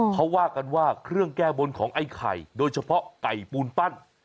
เขาว่ากันว่าเครื่องแก้บนของไอ้ไข่โดยเฉพาะไก่ปูนปั้น